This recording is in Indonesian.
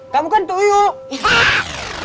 kamu kan tuyul